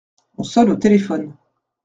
On sonne au téléphone.